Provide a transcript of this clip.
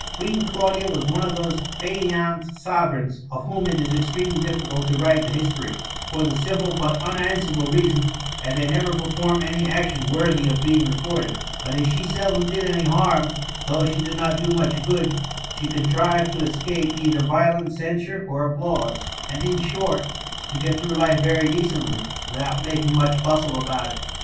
Queen Claudia was one of those faineant sovereigns of whom it is extremely difficult to write the history, for the simple but unan swerable reason^ that they never perform any action worthy of being recorded. But as she seldom did any harm, though she did not do much good, she contrived to escape either violent censure or applause ; and in short, to get through life very decently, without making much bjistle about it.